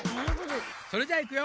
それじゃあいくよ。